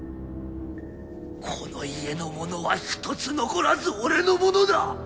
この家のものは１つ残らず俺のものだ。